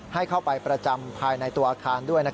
ให้เข้าไปประจำภายในตัวอาคารด้วย